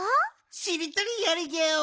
しりとりやるギャオ。